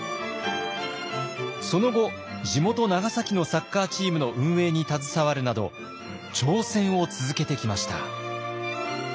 その後地元・長崎のサッカーチームの運営に携わるなど挑戦を続けてきました。